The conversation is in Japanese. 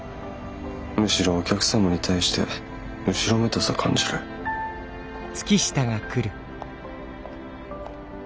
むしろお客様に対して後ろめたさを感じる。